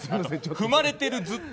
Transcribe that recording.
踏まれてる、ずっと！